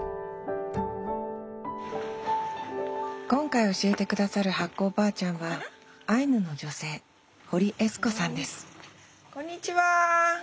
今回教えてくださる発酵おばあちゃんはアイヌの女性堀悦子さんですこんにちは！